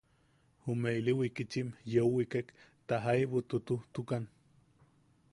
Jume ili wikitchim yeu wikek, ta jaibu tutujtukan.